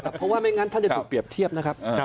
เพราะว่าไม่งั้นท่านจะถูกเปรียบเทียบนะครับ